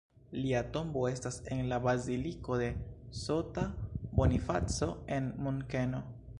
Lia tombo estas en la baziliko de S-ta Bonifaco en Munkeno.